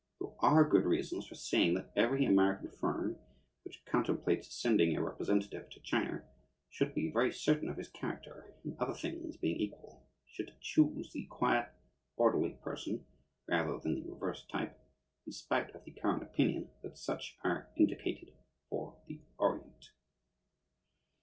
There are good reasons for saying that every American firm which contemplates sending a representative to China should be very certain of his character, and, other things being equal, should choose the quiet, orderly person rather than the reverse type, in spite of the current opinion that such are indicated for the Orient."